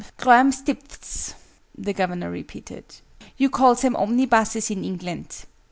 "Grurmstipths," the Governor repeated. "You call them omnibuses in England.